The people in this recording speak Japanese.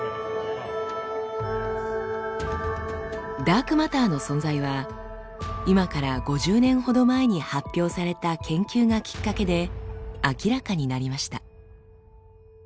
ダークマターの存在は今から５０年ほど前に発表された研究がきっかけで明らかになりました。